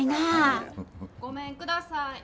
・ごめんください。